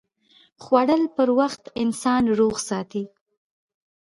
خوړل پر وخت انسان روغ ساتي